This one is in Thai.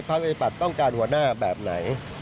พักษมณ์อุตสัตว์ต้องการหัวหน้าแบบไหน